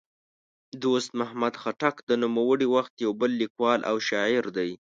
دوست محمد خټک د نوموړي وخت یو بل لیکوال او شاعر دی.